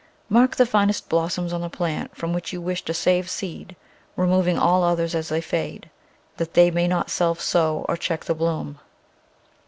Mark the finest blossoms on the plant from which you wish to save seed, removing all others as they fade, that they may not self sow or check the bloom.